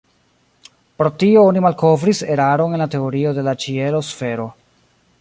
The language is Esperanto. Pro tio oni malkovris eraron en la teorio de la ĉielo-sfero.